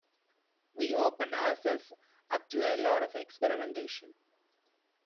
We opened ourselves up to a lot of experimentation.